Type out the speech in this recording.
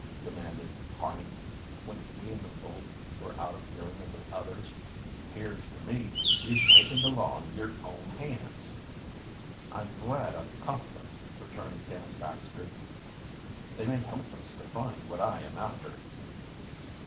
demanded Harney, when he and the bully were out of hearing of the others, "'Pears to me you've taken the law in yer own hands." "I'm glad I've caught them," returned Dan Baxter. "They may help us to find what I am after."